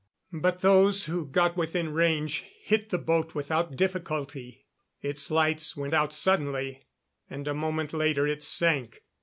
But those who got within range hit the boat without difficulty. Its lights went out suddenly and a moment later it sank.